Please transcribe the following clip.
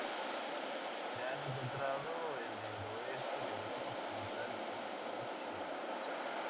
Se han encontrado en el oeste de Europa occidental y en China.